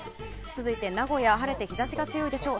続いて名古屋晴れて日差しが強いでしょう。